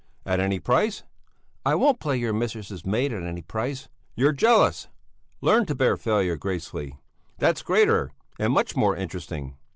"At any price?" "I won't play your mistress's maid at any price." "You're jealous! Learn to bear failure gracefully! That's greater and much more interesting."